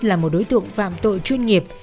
là một đối tượng phạm tội chuyên nghiệp